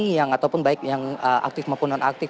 yang ataupun baik yang aktif maupun non aktif